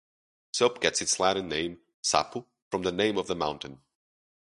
Soap gets its Latin name, "sapo", from the name of the mountain.